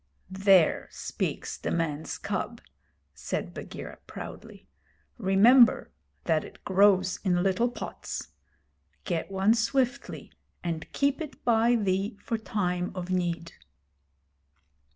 'There speaks the man's cub,' said Bagheera, proudly. 'Remember that it grows in little pots. Get one swiftly, and keep it by thee for time of need.'